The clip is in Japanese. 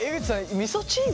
みそチーズ